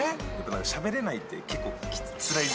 しゃべれないって結構つらい